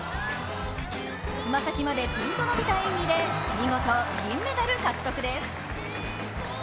爪先までぴんと伸びた演技で、見事、銀メダル獲得です。